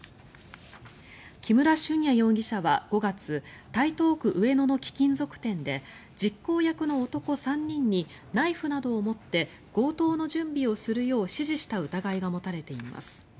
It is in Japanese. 木村俊哉容疑者は５月台東区上野の貴金属店で実行役の男３人にナイフなどを持って強盗の準備をするよう指示した疑いが持たれています。